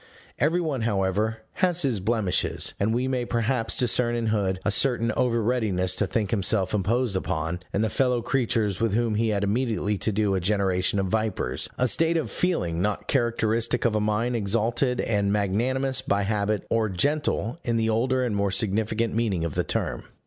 Every one, however, has his blemishes; and we may perhaps discern in Hood a certain over readiness to think himself imposed upon, and the fellow creatures with whom he had immediately to do a generation of vipers a state of feeling not characteristic of a mind exalted and magnanimous by habit, or "gentle" in the older and more significant meaning of the term.